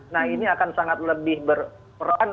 nah ini akan sangat lebih berperan